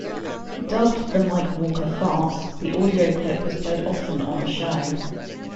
Dubbed the "Mike Walker Fart," the audio clip was played often on the show.